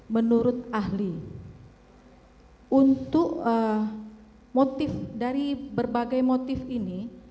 menurut ahli untuk motif dari berbagai motif ini